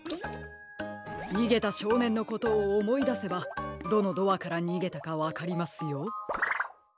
にげたしょうねんのことをおもいだせばどのドアからにげたかわかりますよ。